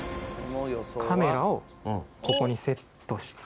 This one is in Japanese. カメラをここにセットして。